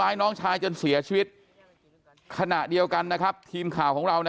น้องชายจนเสียชีวิตขณะเดียวกันนะครับทีมข่าวของเรานะ